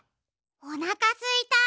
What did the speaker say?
おなかすいた。